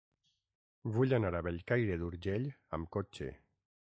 Vull anar a Bellcaire d'Urgell amb cotxe.